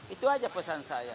itu aja pesan saya